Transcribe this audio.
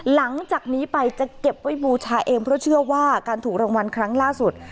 หลังจากนี้ไปจะเก็บไว้บูชาเองเพราะเชื่อว่าการถูกรางวัลครั้งล่าสุด